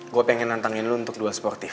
gue pengen nantangin lo untuk dua sportif